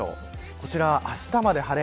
こちらはあしたまで晴れ。